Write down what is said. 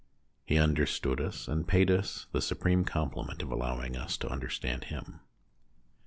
He understood us and paid us the supreme compliment of allowing us to understand him.